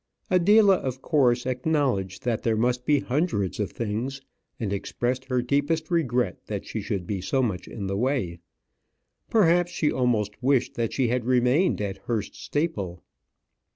Adela, of course, acknowledged that there must be hundreds of things, and expressed her deepest regret that she should be so much in the way. Perhaps she almost wished that she had remained at Hurst Staple.